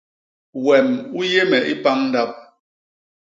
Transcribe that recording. Wem u yé me i pañ ndap.